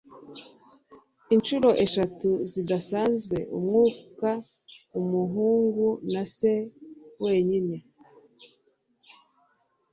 Inshuro eshatu zidasanzwe umwuka umuhungu na se wenyine